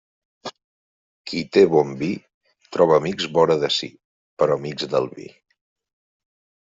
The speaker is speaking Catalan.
Qui té bon vi troba amics vora de si, però amics del vi.